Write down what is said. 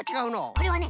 これはね